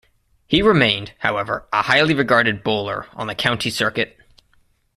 He remained however a highly regarded bowler on the county circuit.